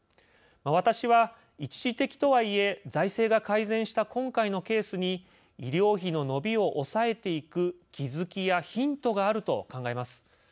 私は、一時的とはいえ財政が改善した今回のケースに医療費の伸びを抑えていく「気づき」や「ヒント」があると考えます。